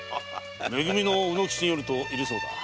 め組の卯之吉によるといるそうだ。